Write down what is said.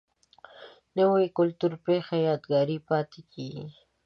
نوې کلتوري پیښه یادګار پاتې کېږي